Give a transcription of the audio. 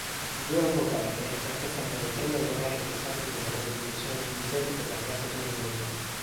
I due autocarri rappresentano i primi autocarri pesanti con motorizzazione diesel della casa torinese.